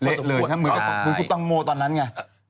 เละเลยใช่ไหมครับกรุกตังโมตอนนั้นไง